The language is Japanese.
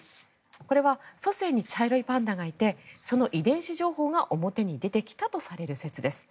これは祖先に茶色いパンダがいてその遺伝子情報が表に出てきたとされる説です。